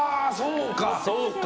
そうか！